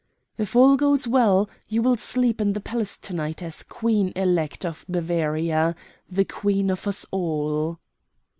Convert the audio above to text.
"If all goes well, you will sleep in the palace to night as Queen elect of Bavaria the Queen of us all."